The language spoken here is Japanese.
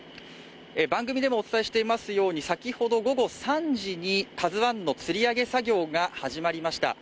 番組でもお伝えしてしますように先ほど午後３時に、「ＫＡＺＵⅠ」のつり上げ作業が始まりました。